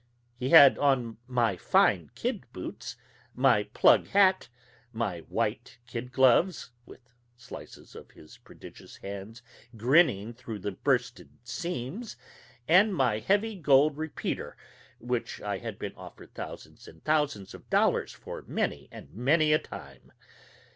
He had on my fine kid boots, my plug hat, my white kid gloves (with slices of his prodigious hands grinning through the bursted seams), and my heavy gold repeater, which I had been offered thousands and thousands of dollars for many and many a time.